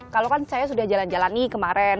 kalau kan saya sudah jalan jalani kemarin